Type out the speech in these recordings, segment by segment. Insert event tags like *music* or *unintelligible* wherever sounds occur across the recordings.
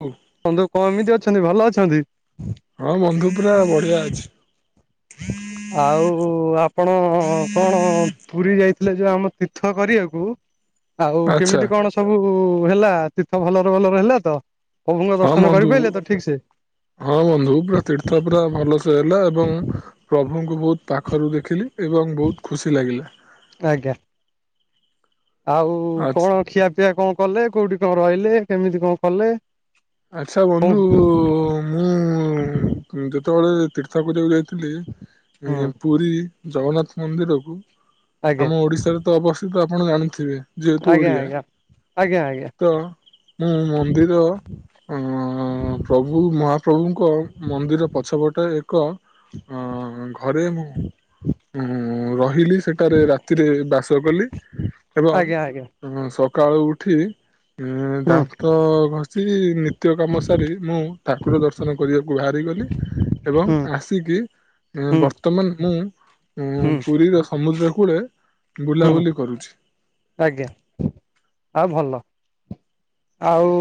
ହଁ ବନ୍ଧୁ କମିତି ଅଛନ୍ତି ଭଲ ଅଛନ୍ତି? ହଁ ବନ୍ଧୁ ପୁରା ବଢିଆ ଅଛି। ଆଉ ଆପଣ କଣ ପୁରୀ ଯାଇ ଥିଲେ ଯୋଉ ଆମ ତୀର୍ଥ କରିବାକୁ ଆଉ ଆଚ୍ଛା କେମିତି କଣ ସବୁ ହେଲା ତୀର୍ଥ ଭଲରେ ଭଲରେ ହେଲା ତ। ପ୍ରଭୁଙ୍କ ହଁ ଦର୍ଶନ ବନ୍ଧୁ କରିପାରିଲେ ତ ଠିକ ସେ? ହଁ ବନ୍ଧୁ ପୁରା ତୀର୍ଥ ପୁରା ଭଲ ସେ ହେଲା। ଏବଂ ପ୍ରଭୁଙ୍କୁ ବହୁତ ପାଖରୁ ଦେଖିଲି ଏବଂ ବହୁତ ଖୁସି ଲାଗିଲା। ଆଜ୍ଞା। ଆଉ ଆଚ୍ଛା କଣ ଖିଆପିଆ କଣ କଲେ କୋଉଠି କଣ ରହିଲେ କେମିତି କଣ କଲେ? ଆଛା କଣ ବନ୍ଧୁ ମୁଁ ଯେତେବେଳେ ତୀର୍ଥ ପୂଜା କୁ ଯାଇଥିଲ ହୁଁ ଥିଲି ପୁରୀ ଜଗନ୍ନାଥ ମନ୍ଦିରକୁ ଆଜ୍ଞା ଆମ ଓଡିଶାରେ ତ ଅବସ୍ଥିତ ଆପଣ ଜାଣୁଥିବେ। ଯେହେତୁ ଆଜ୍ଞା ଓଡ଼ିଆ, ଆଜ୍ଞା ଆଜ୍ଞା ଆଜ୍ଞା ତ ମୁଁ ମନ୍ଦିର ଅ ପ୍ରଭୁ ମହାପ୍ରଭୁଙ୍କ ମନ୍ଦିର ପଛ ପଟେ ଏକ ଘରେ ମୁଁ ରହିଲି। ସେଠାରେ ରାତିରେ ବାସ କଲି। ଏବଂ ଆଜ୍ଞା ଆଜ୍ଞା ସକାଳୁ ଉଠି ଉଁ ହୁଁ ଦାନ୍ତ ଘ ସେଇଠି ନିତ୍ୟ କାମ ସାରି ମୁଁ ଠାକୁର ଦର୍ଶନ କରିବାକୁ ବାହାରିଗଲି। ଏବଂ ହୁଁ ଆସିକି ଏଁ ହୁଁ ବର୍ତ୍ତମାନ ହୁଁ ମୁଁ ପୁରୀର ସମୁଦ୍ର କୂଳେ ହୁଁ ବୁଲାବୁଲି କରୁଛି ଆଜ୍ଞା ଆଉ ଭଲ ଆଉ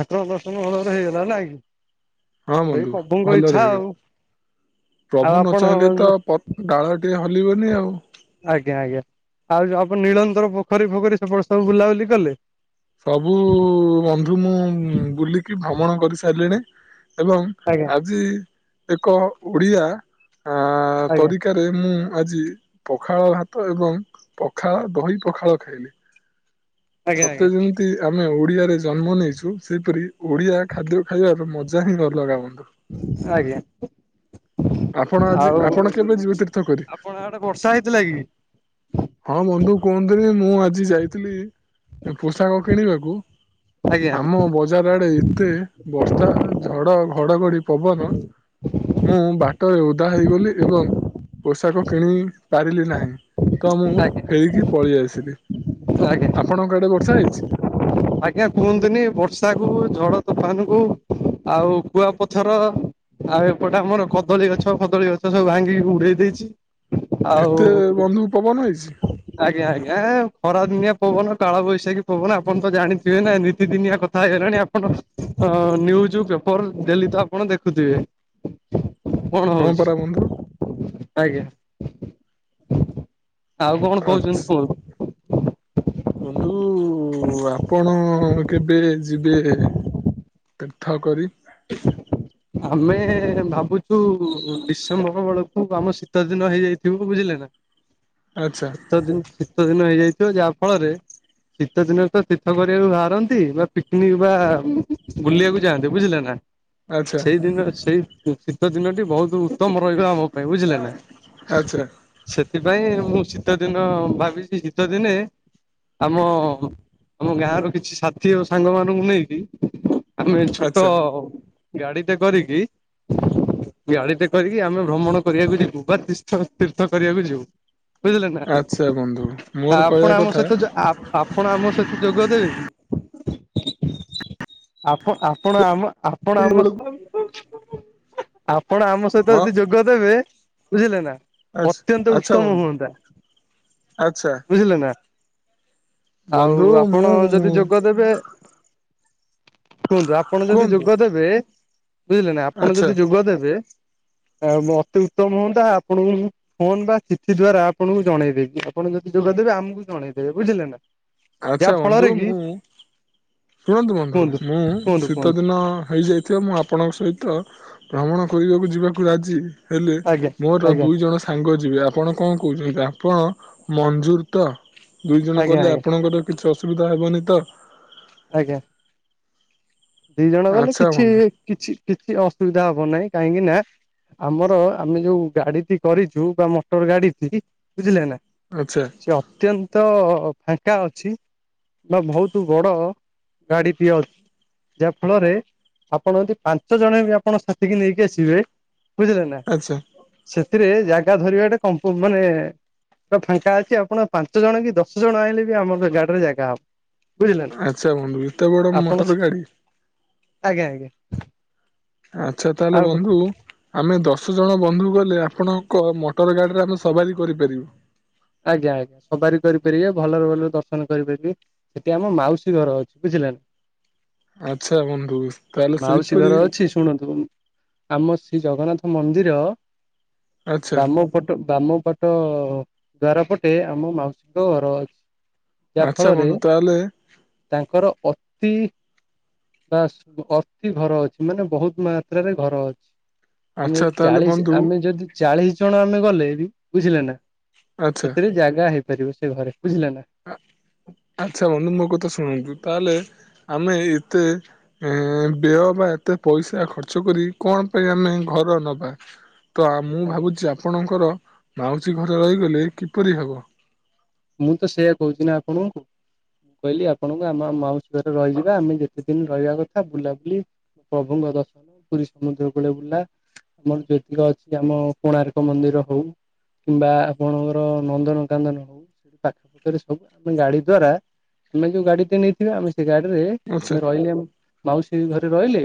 ଠାକୁର ଦର୍ଶନ ଭଲରେ ହେଇଗଲା ନା କି। ହଁ ସେଇ ବନ୍ଧୁ ପ୍ରଭୁଙ୍କ ଭଲରେ ଇଚ୍ଛା ଆଉ। ହେଇଗଲା ଆଉ ପ୍ରଭୁ ନ ଆପଣ ଚାହିଁଲେ ତ ପତ ଡାଳ ଟିକେ ହଲିବନି ଆଉ। ଆଜ୍ଞା ଆଜ୍ଞା ଆଉ ଯୋଉ ଆପଣ ନୀଳନ୍ତର ପୋଖରୀ ଫୋଖରୀ ସେପଟ ସବୁ ବୁଲାବୁଲି କଲେ? ସବୁ ବନ୍ଧୁ ମୁଁ ବୁଲିକି ଭ୍ରମଣ କରି ସାରିଲିଣି। ଏବଂ ଆଜ୍ଞା ଆଜି ଏକ ଓଡ଼ିଆ ଆଁ ଆଜ୍ଞା। ତରିକାରେ ମୁଁ ଆଜି ପଖାଳ ଭାତ ଏବଂ ପଖାଳ ଦହି ପଖାଳ ଖାଇଲି। ଆଜ୍ଞା ସତେ ଆଜ୍ଞା ଯେମିତି ଆମେ ଓଡିଆରେ ଜନ୍ମ ନେଇଚୁ, ସେହିପରି ଓଡିଆ ଖାଦ୍ୟ ଖାଇବାର ମଜା ହିଁ ଅଲଗା ବନ୍ଧ ଆଜ୍ଞା। ଆପଣ ଆଜି ଆଉ ଆପଣ କେବେ ଯିବେ ତୀର୍ଥ କରି? ଆପଣଙ୍କ ଆଡେ ବର୍ଷା ହେଇଥିଲା କି? ହଁ ବନ୍ଧୁ କୁହନ୍ତୁନି ମୁଁ ଆଜି ଯାଇଥିଲି ପୋଷାକ କିଣିବାକୁ ଆଜ୍ଞା ଆମ ବଜାର ଆଡେ ଏତେ ବର୍ଷା ଝଡ ଘଡଘଡି ପବନ। ମୁଁ ବାଟରେ ଓଦା ହେଇଗଲି ଏବଂ ପୋଷାକ କିଣି ପାରିଲି ନାହିଁ ତ ମୁଁ ଆଜ୍ଞା ଫେରିକି ପଳେଇ ଆସିଲି। ଆଜ୍ଞା। ସାଇଜ। ଆଜ୍ଞା କୁହନ୍ତୁନି ବର୍ଷା କୁ ଝଡ ତୋଫାନ କୁ ଆଉ କୁଆ ପଥର ଆଉ ଏପଟେ ଆମର କଦଳୀ ଗଛ ଫଦଳୀ ଗଛ ସବୁ ଭାଙ୍ଗିକି ଉଡେଇ ଦେଇଛି। ଏତେ ଆଉ ବନ୍ଧୁ ପବନ ହେଇଛି? ଆଜ୍ଞା ଆଜ୍ଞା। ଖରାଦିନିଆ ପବନ କାଳବୈଶାଖୀ ପବନ ଆପଣ ତ ଜାଣିଥିବେ ନା ନିୀତିଦିନିଆ କଥା ହେଇଗଲାଣି ଆପଣ ହଁ ନ୍ୟୁଜ ପେପର ଡେଲି ତ ଆପଣ ଦେଖୁଥିବେ। କଣ ହଁ ପରା ବନ୍ଧୁ। ହଉଚି ଆଜ୍ଞା। ଆଉ କଣ ଆଛ୍ କହୁଚନ୍ତି କୁହନ୍ତୁ? ବନ୍ଧୁ ଆପଣ କେବେ ଯିବେ ତୀର୍ଥ କରି *inaudible* ଆମେ ଭାବୁଚୁ ଡିସେମ୍ବର ବଳକୁ ଆମ ଶୀତ ଦିନ ହେଇଯାଇଥିବ ବୁଝିଲେ ନା। ଆଚ୍ଛା ଶୀତ ଦିନ ଶୀତ ଦିନ ହେଇଯାଇଥିବ ଯାହା ଫଳରେ ଶୀତ ଦିନରେ ତ ଶୀତ କରିବାକୁ ବାହାରନ୍ତି ବା ପିକ୍ନିକ ବା ବୁଲିବାକୁ ଯାଆନ୍ତି ବୁଝିଲେ ନା। ଆଚ୍ଛା ସେଇଦିନ ସେଇ ଶୀତ ଦିନଟି ବହୁତ ତମ ରହିବ ଆମ ପାଇଁ ବୁଝିଲେ ନା ଆଚ୍ଛା ସେଥିପାଇଁ ମୁଁ ସି ଶୀତ ଦିନ ଭାବିଚି ଶୀତ ଦିନେ ଆମ ଆମ ଗାଁ ର କିଛି ସାଥି ଓ ସାଙ୍ଗ ମାନଙ୍କୁ ନେଇକି ଆମେ ଛୋଟ ଆଚ୍ଛା ଗାଡିଟେ କରିକି ଗାଳିିତେ କରିକି ଆମେ ଭ୍ରମଣ କରିବାକୁ ଯିବୁ ବା ତୀର୍ଥ ତୀର୍ଥ କରିବାକୁ ଯିବୁ। ବୁଝିଲେ ନା ଆଚ୍ଛା ବନ୍ଧୁ ଆ ମୋର -ଆପଣ କହିବା ଆମ କଥା ସହିତ ଆ -ଆପଣ ଆମ ସହିତ ଯୋଗଦେବେ କି? ଆପ ଆପଣ ଆମ ଆପଣ ଆମ ଆପଣ ଆମ ବେଳକୁ ସ ଆପଣ ଆମ ସହିତ ହଁ ଯଦି ଯୋଗଦେବେ ବୁଝିଲେ ନା ଆଚ୍ଛା ଅତ୍ୟନ୍ତ ଆଚ୍ଛା ଉତ୍ତମ ବନ୍ଧୁ ହୁଅନ୍ତା। ଆଚ୍ଛା ବୁଝିଲେ ନା? ଆଉ ବନ୍ଧୁ ଆପଣ ମୁଁ ଯଦି ଯୋଗଦେବେ କୁହନ୍ତୁ ଆପଣ ଯଦି କୁହନ୍ତୁ ଯୋଗ ଦେବେ ବୁଝିଲେ ନା ଆପଣ ଆଚ୍ଛା ଯଦି ଯୋଗ ଦେବେ ଆଉ ଅତି ଉତ୍ତମ ହୁଅନ୍ତା ଆପଣଙ୍କୁ ମୁ ଫୋନ ବା ଚିଠି ଦ୍ଵାରା ଆପଣଙ୍କୁ ଜଣେଇଦେବି ଆପଣ ଯଦି ଯୋଗଦେବେ ଆମକୁ ଜଣେଇଦେବେ ବୁଝିଲେ ନା। ଯାହା ଆଚଛା ଫଳରେ ବନ୍ଧୁ କି ମୁଁ ଶୁଣନ୍ତୁ ବନ୍ଧୁ କୁହନ୍ତୁ ମୁଁ କୁହନ୍ତୁ ଶୀତ କୁହନ୍ତୁ ଦିନ ହେଇଯାଇଥିବ ମୁଁ ଆପଣଙ୍କ ସହିତ ଭ୍ରମଣ କରିବାକୁ ଯିବାକୁ ରାଜି ହେଲେ ଆଜ୍ଞା ମୋର ଆଜ୍ଞା ଦୁଇ ଜଣ ସାଙ୍ଗ ଯି ବେ ଆପଣ କଣ କହୁଚନ୍ତି, ଆପଣ ମଞ୍ଜୁର ତ ଦୁଇ ଜଣ ଆଜ୍ଞା ଗଲେ ଆଜ୍ଞା ଆପଣଙ୍କର କିଛି ଅ ସୁବିଧା ହେବନି ତ? ଆଜ୍ଞା। ଦି ଜଣ ଗଲେ ଆଚ୍ଛା କିଛି ବନ୍ଧୁ କିଛି କିଛି ଅସୁବିଧା ହବ ନାହିଁ। କାହିଁକି ନା ଆମର ଆମେ ଯୋଉ ଗାଡିଟି କରିଛୁ ବା ମଟର ଗାଡି ବୁଝିଲେ ନା ଆଚ୍ଛା ସେ ଅତ୍ୟନ୍ତ ଫାଙ୍କା ଅଛି ନା ବହୁତ ବଡ ଗାଡିଟିଏ ଅଛି। ଯାହା ଫଳରେ ଆପଣ ଯଦି ପାଞ୍ଚ ଜଣ ବି ଆପଣ ସାଥ କିି ନେଇକି ଆସିବେ। ବୁଝିଲେ ନା ଆଚ୍ଛା ସେଥିରେ ଜାଗା ଧରିବା ଟା କ ମାନେ ଫାଙ୍କା ଅଛି, ଆପଣ ପାଞ୍ଚ ଜଣ କି ଦଶ ଜଣ ଆଣିଲେ ବି ଆମର ଗାଡିରେ ଜାଗା ହବ। ବୁଝିଲେ ନା ଆଚ୍ଛା ବନ୍ଧୁ ଏତେ ବଡ ଆପଣ ମୋଟର ଗାଡି। ଆଜ୍ଞା ଆଜ୍ଞା। ଆଛା ତାହେଲେ ଆଉ ବନ୍ଧୁ ଆମେ ଦଶ ଦଶ ଜଣ ବନ୍ଧୁ ଗଲେ ଆପଣଙ୍କ ମୋଟର ଗାଡିରେ ଆମେ ସବାରି କରିପାରିବେ। ଆଜ୍ଞା ଆଜ୍ଞା ସବାରି କରିପାରିବେ। ଭଲରେ ଭଲ ଦର୍ଶନ କରିପାରିବେ ସେଠି ଆମ ମାଉସୀ ଘର ଅଛି ବୁଝିଲେ ନା ଆଚ୍ଛା ବନ୍ଧୁ ତାହେଲେ ମାଉସି ସେହିପରି ଘର ଅଛି ଶୁଣ ତୁ ଆମ ଶ୍ରୀ ଜଗନ୍ନାଥ ମନ୍ଦି, ଆଚ୍ଛା ବାମପଟ ବାମ ଅ ଦ୍ଵାର ପଟେ ଆମ ମାଉସୀଙ୍କ ଘର ଅଛି। ଯାହା ଆଚ୍ଛା ଫଳରେ ବନ୍ଧୁ ତାହେଲେ ତାଙ୍କର ବା ଅତି ବାସ ଅତି ଘର ଅଛି ମାନେ ବହୁତ ମାତ୍ରାରେ ଘର ଅଛି। ଆମେ ଆଚ୍ଛା ଯଦି ତାହେଲେ ଚାଳିଶ ବନ୍ଧୁ ଆମେ ଯଦି ଚାଳିଶ ଜଣ ଆମେ ଗଲେ ବି ବୁଝିଲେ ନା ଆଚ୍ଛା ସେଥିରେ ଜାଗା ହେଇପାରିବ ସେ ଘରେ ବୁଝିଲେ ନା। ଆଚ୍ଛା ବନ୍ଧୁ ମୋ କଥା ଶୁଣନ୍ତୁ ତାହେଲେ ଆମେ ଏତେ ଏ ବ୍ୟୟ ବା ଏତେ ପଇସା ଖର୍ଚ୍ଚ କରି କଣ ପାଇଁ ଆମେ ଘର ନବା। ତ ମୁଁ ଆଜ୍ଞା। ଭାବୁଛି ଆପଣଙ୍କର ମାଉସୀ ଘରେ ରହିଗଲେ କିପରି ହବ। ମୁଁ ତ ସେଇୟଆା କହୁଛି ନା ଆପଣଙ୍କୁ। ମୁଁ କହିଲି ଆପଣଙ୍କୁ ଆମ ମାଉସୀ ଘରେ ରହିଯିବା ଆମେ ଯେତେ ଦିନ ରହିବା କଥା ବୁଲାବୁଲି ପ୍ରଭୁଙ୍କ ଦର୍ଶନ ପୁରୀ ସମୁଦ୍ର କୂଳେ ବୁଲା। ଆମର ଯେତିକି ଅଛି ଆମ କୋଣାର୍କ ମନ୍ଦିର ହଉ କିମ୍ବା ଆପଣଙ୍କର ନନ୍ଦନ କାନନ ହଉ *unintelligible* ଗାଡ଼ି ଦ୍ୱାର ଆମେ ଯଉ ଗାଡ଼ି ଟା ନେଇଥିବା ଅମେ ସେ ଗାଡ଼ି ରେ ଆଚ୍ଛା ଆମେ ରିହିଲେ ମାଉସି ସେ ଘରେ ରହିଲେ,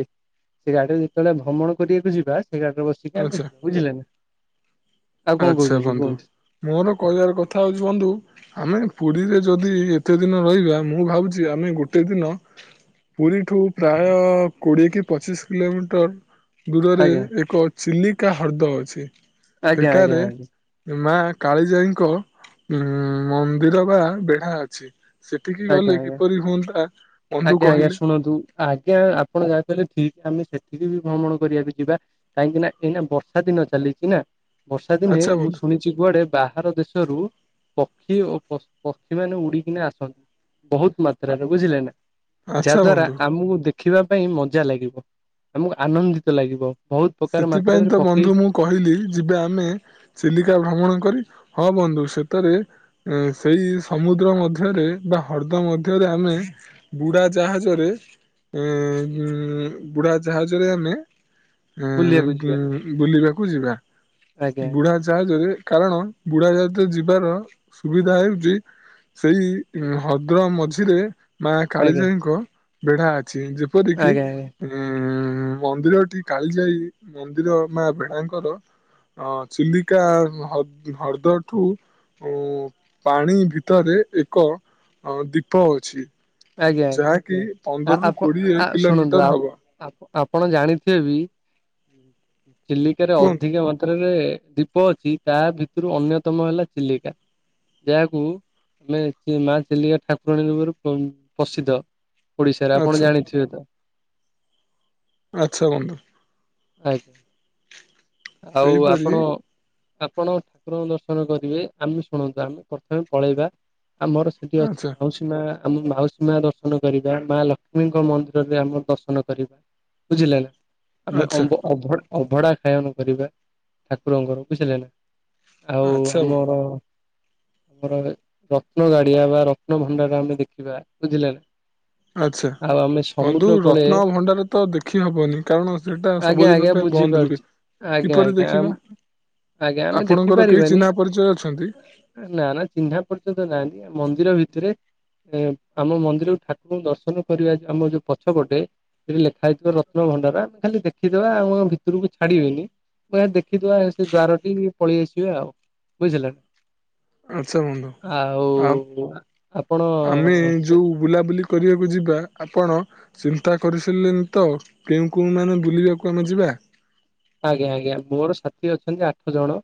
ସେ ଗାଡିରେ ଯେତେବେଳେ ଭମଣ କରିବାକୁ ଯିବା। ସେଇ ଗାଡ଼ି ରେ ବସିକି ଆମେ ଆଚ୍ଛା ଯି ବୁଝିଲେ ନା ଆଉ କଣ ଆଚ୍ଛା କହୁଛନ୍ତି ବନ୍ଧୁ, କୁହନ୍ତୁ ମୋର କହିବାର କଥା ହଉଛି ବନ୍ଧୁ। ଆମେ ପୁରୀରେ ଯଦି ଏତେ ଦିନ ରହିବା। ମୁଁ ଭାବୁଛି ଆମେ ଗୋଟେ ଦିନ ପୁରୀଠୁ ପ୍ରାୟ କୋଡିଏ କି ପଚିଶ କିଲୋମିଟର ଦୂରରେ ଆଜ୍ଞା ଏକ ଚିଲିକା ହ୍ରଦ ଅଛି। ଆଜ୍ଞା ଆଜ୍ଞା। ସେଠାରେ ମା କାଳିଜାଇଙ୍କ ଉଁ ମନ୍ଦିର ବା ବେଢା ଅଛି। ସେଠିକି ଆଜ୍ଞା ଗଲେ ଆଜ୍ଞା କିପରି ହୁଅନ୍ତା ବନ୍ଧୁ ଆଜ୍ଞା ଆଜ୍ଞା କହିଲେ ଶୁଣନ୍ତୁ ଆଜ୍ଞା ଆପଣ ଯା କହିଲେ ଠିକ ଆମେ ସେତିକି ବି ଭ୍ରମଣ କରିବାକୁ ଯିବା, କାହିଁକି ନା ଏଇନା ବର୍ଷା ଦିନ ଚାଲିଛି ନା। ବର୍ଷା ଦିନେ ଆଚ୍ଛା ମୁଁ ବନ୍ଧୁ ଶୁଣିଛି କୁଆଡେ ବାହାର ଦେଶରୁ। ପକ୍ଷୀ ଓ ପକ୍ଷୀ ମାନେ ଉଡିକିନା ଆସନ୍ତି ବହୁତ ମାତ୍ରାରେ ବୁଝିଲେ ନା। ଯାହା ଆଚ୍ଛା ଦ୍ଵାରା ବନ୍ଧୁ। ଆମକୁ ଦେଖିବା ପାଇଁ ମଜା ଲାଗିବ, ଆମକୁ ଆନନ୍ଦିତ ଲାଗିବ। ବହୁତ ପ୍ରକାର ସେଥିପାଇଁ ମାତ୍ରାରେ ତ ପକ୍ଷୀ ବନ୍ଧୁ ମୁଁ କହିଲି ଯିବା ଆମେ ଚିଲିକା ଭ୍ରମଣ କରି। ହଁ ବନ୍ଧୁ ସେତରେ ସେଇ ସମୁଦ୍ର ମଧ୍ୟରେ ବା ହ୍ରଦ ମଧ୍ୟରେ ଆମେ। ବୁଡା ଜାହାଜରେ ବୁଡା ଜାହାଜରେ ଆମେ ଏ ବୁଲିବାକୁ ଯିବା ବୁଲିବାକୁ ଯିବା ଆଜ୍ଞା ବୁଢା ଜାହାଜରେ। କାରଣ ବୁଢ଼ା ଜାହଜରେ ଯିବାର ସୁବିଧା ହେଉଛି। ସେଇ ଉଁ ହଦ୍ର ମଝିରେ ମାଆ ଆଜ୍ଞା କାଳିଜାଇଙ୍କ ବେଢା ଅଛି ଯେପରିକି ଆଜ୍ଞା ଆଜ୍ଞା ଉଁ ମନ୍ଦିରଟି କାଳିଜାଇ ମନ୍ଦିର ମାଆ ବେଢାଙ୍କର ଅଁ ଚିଲିକା ହ-ହର୍ଦଠୁ ଉଁ ପାଣି ଭିତରେ ଏକ ଅଁ ଦ୍ବୀପ ଅଛି। ଆଜ୍ଞା ଆଜ୍ଞା ଯାହାକି ଆ ପନ୍ଦରରୁୁ ଆପଣ କୋଡିଏ ଆ ଶୁଣନ୍ତୁ ଆ କିଲୋମିଟର ହବ। ଆପଣ ଜାଣିଥିବେ ବି ଚିଲିକାରେ କୁହନ୍ତୁ ଅଧିକା ମାତ୍ରାରେ ଦ୍ବୀପ ଅଛି ତା ଭିତୁରୁ ଅନ୍ୟତମ ହେଲା ଚିଲିକା। ଯାହାକୁ ଆମେ ଚି ମାଆ ଚିଲିକା ଠାକୁରାଣୀ ରୂପରେ *unintelligible* ପ୍ରସିଦ୍ଧ ଓଡିଶାରେ ଆପଣ ଆଚ୍ଛା ଜାଣିଥିବେ ତ। ଆଚ୍ଛା ବନ୍ଧୁ। ଆଜ୍ଞା ଆଉ ସେଇପରି ଆପଣ ଆପଣ ଠାକୁରଙ୍କ ଦର୍ଶନ କରିବେ। ଆମେ ଶୁଣନ୍ତୁ ଆମେ ପ୍ରଥମେ ପଳେଇବା ଆମର ସେଇଠି ଅଛି ଆଚ୍ଛା ମାଉସୀ ମାଆ ଆମ ମାଉସୀ ମାଆ ଦର୍ଶନ କରିବା, ମାଆ ଲକ୍ଷ୍ମୀଙ୍କ ମନ୍ଦିରରେ ଆମ ଦର୍ଶନ କରିବା, ବୁଝିଲେ ନା। ଆମେ ଆଚ୍ଛା ଅମ୍ବ ଅଭଡା ଅଭଡା ଖାୟନ କରିବା, ଠାକୁରଙ୍କର ବୁଝିଲେ ନା। ଆଉ ଆଚ୍ଛା ବନ୍ଧୁ ଆମର ଆମର ରତ୍ନ ଗାଡିଆ ବା ରତ୍ନ ଭଣ୍ଡାର ଆମେ ଦେଖିବା ବୁଝିଲେ ନା। ଆଚ୍ଛା ଆଉ ଆମେ ବନ୍ଧୁ ସମୁଦ୍ର କୂଳେ ରତ୍ନ ଭଣ୍ଡାର ତ ଦେଖି ହବନି କାରଣ ସେଇଟା ଆଜ୍ଞା ସବୁଦିନ ଆଜ୍ଞା ପାଇଁ ବ ବୁଝିପାରୁଛି। *unintelligible* ଆଜ୍ଞା ଆଜ୍ଞା ଆମ୍ ଆଜ୍ଞା ଆମେ ଦେଖି ଆପଣଙ୍କର କେହି ପାରିବାନି। ଚିହ୍ନା ପରିଚୟ ଅଛନ୍ତି? ନା ନା ଚିହ୍ନା ପରିଚିତ ନାହାଁନ୍ତି। ମନ୍ଦିର ଭିତେରେ ଏ ଆମ ମନ୍ଦିରରୁ ଠାକୁରଙ୍କୁ ଦର୍ଶନ କରିବା ଯୋଉ ଆମର ଯୋଉ ପଛ ପଟେ ସେଇଠି ଲେଖା ହେଇଥିବ ରତ୍ନ ଭଣ୍ଡାର ଆମେ ଖାଲି ଦେଖିଦବା ଆମକୁ ଆଉ ଭିତୁରୁକୁ ଛାଡିବେନି। ଯାଇ ଦେଖିଦବା ସେ ଦ୍ବାରଟି ପଳେଇ ଆସିବା ଆଉ ବୁଝିଲେ ଆଚ୍ଛା ବନ୍ଧୁ ନା। ଆ ଆଉ ଆପଣ ଆମେ ସେ ଯୋଉ ବୁଲାବୁଲି କରିବାକୁ ଯିବା ଆପଣ ଚିନ୍ତା କରିସାରିଲେନି ତ କେଉଁ କୋଉଁମାନେ ବୁଲିବାକୁ ଆମେ ଯିବା? ଆଜ୍ଞା ଆଜ୍ଞା ମୋର ସାଥି ଅଛନ୍ତି ଆଠ ଜଣ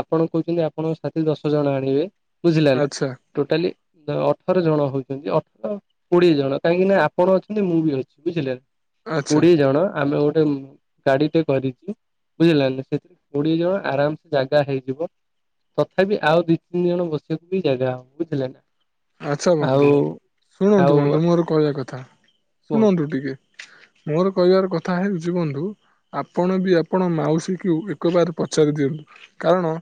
ଆପଣ କହୁଛନ୍ତି ଆପଣଙ୍କ ସାଥି ଦଶ ଜଣ ଆଣିବେ। ବୁଝିଲେ ନା ଆଚ୍ଛା ଟୋଟାଲି ଦ ଅଠର ଜଣ ହଉ ସେମିତି ଅଠର କୋଡିଏ ଜଣ କାହିଁକି ନା ଆପଣ ଅଛନ୍ତି ମୁଁ ବି ଅଛି ବୁଝିଲେ ନା। ଆଚ୍ଛା କୋଡିଏ ଜଣ ଆମେ ଗୋଟେ ଉମ୍ ଗାଡିଟେ କରିକି ବୁଝିଲେ ନା ନା ସେଥିରେ କୋଡିଏ ଜଣ ଆରାମ ସେ ଜାଗା ହେଇଯିବ। ତଥାପି ଆଉ ଦି ତିନି ଜଣ ବସିବାକୁ ବି ଜାଗା ହବ, ବୁଝିଲେ ନା। ଆଚ୍ଛା ଆଉ ବନ୍ଧୁ। ଶୁଣନ୍ତୁ ଆଉ ବନ୍ଧୁ ମୋର କହିବା କଥା, କୁହନ୍ତୁ ଶୁଣନ୍ତୁ ଟିକେ। ମୋର କହିବାର କଥା ହେଉଛି ବନ୍ଧୁ ଆପଣ ବି ଆପଣଙ୍କ ମାଉସୀକୁ ଏକ ବାର ପଚାରି ଦିଅନ୍ତୁ କାରଣ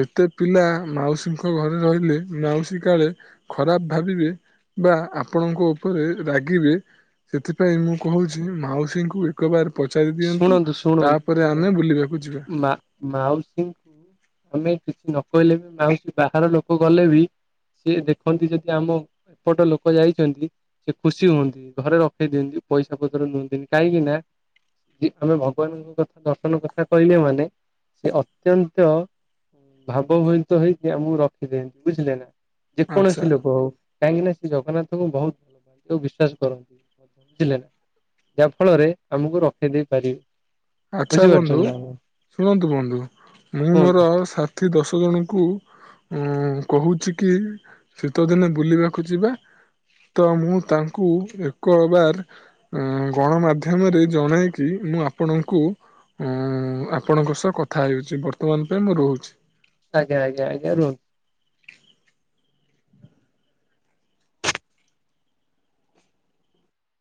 ଏତେ ପିଲା ମାଉସୀଙ୍କ ଘରେ ରହିଲେ ମାଉସୀ କାଳେ ଖରାପ ଭାବିବେ ବା ଆପଣଙ୍କ ଉପରେ ରାଗିବେ ସେଥିପାଇଁ ମୁଁ କହୁଛି ମାଉସୀଙ୍କୁ ଏକ ବାର ଶୁଣନ୍ତୁ ଶୁଣନ୍ତୁ ଶୁଣନ୍ତୁ ବୁଲିବାକୁ ଯିବା ମା-ମାଉସୀଙ୍କୁ ଆମେ କିଛି ନ କହିଲେ ବି ମାଉସୀ ବାହାର ଲୋକ ଗଲେ ବି ସିଏ ଦେଖନ୍ତି ଯଦି ଆମ ଏପଟ ଲୋକ ଯାଇଛନ୍ତି ସେ ଖୁସି ହୁଅନ୍ତି। ଘରେ ରଖେଇ ଦିଅନ୍ତି। ପଇସା ପତ୍ର ନିଅନ୍ତିନି, କାହିଁକି ନା *inaudible* ଇ ଆମେ ଭଗବାନଙ୍କ କଥା ଦର୍ଶନ କଥା କହିଲେ ମାନେ ସେ ଅତ୍ୟନ୍ତ ଉଁ ଭାବଭୋହିତ ହେଇକି ଆମୁକୁ ରଖିଦିଅନ୍ତି ବୁଝିଲେ ନା। ଆଚ୍ଛା ଯେକୌଣସି ଲୋକ ହଉ, କାହିଁକି ନା ସେ ଜଗନ୍ନାଥଙ୍କୁ ବହୁତ୍ ବିଶ୍ୱାସ କରନ୍ତି ମ ଧ୍ୟ ବୁଝିଲେ ନା। ଯାହା ଫଳରେ ଆମୁକୁ ରଖେଇ ଦେଇ ପାରିବେ। ଆଚ୍ଛା ବନ୍ଧୁ, ବୁଝିପାରୁଛନ୍ତି ନା। ଶୁଣନ୍ତୁ ବନ୍ଧୁ ମୁଁ କୁହନ୍ତୁ ମୋର ଥି ଦଶ ଜଣଙ୍କୁ ଉଁ କହୁଛି କି ଶୀତ ଦିନେ ବୁଲିବାକୁ ଯିବା। ତ ମୁଁ ତାଙ୍କୁ ଏକ ବାର ଗଣମାଧ୍ୟମରେ ଜଣାଇକି ମୁଁ ଆପଣଙ୍କୁ ଆପଣଙ୍କ ସହ କଥା ହେଉଛି, ବର୍ତ୍ତମାନ ପାଇଁ ମୁଁ ରହୁଛି। ଆଜ୍ଞା ଆଜ୍ଞା ଆଜ୍ଞା ରୁହନ୍ତୁ।